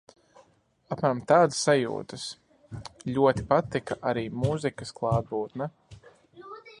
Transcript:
Apmēram tādas sajūtas. Ļoti patika arī mūzikas klātbūtne.